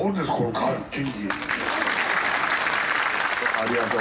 ありがとう！